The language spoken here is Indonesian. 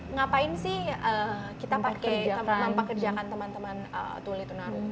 ngapain sih kita pakai mempekerjakan teman teman tuli tunarung